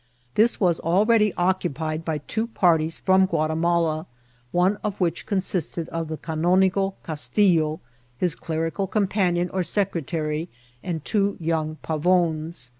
This was al ready occupied by two parties from Guatimala, one of "which consisted of the Canonigo Castillo, his clerical companion or secretary, and two young Pavons.